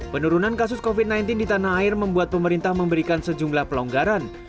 penurunan kasus covid sembilan belas di tanah air membuat pemerintah memberikan sejumlah pelonggaran